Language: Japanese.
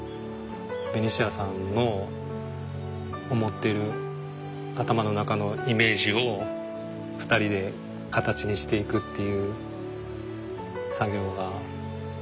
ベニシアさんの思ってる頭の中のイメージを２人で形にしていくっていう作業がすごい楽しくて。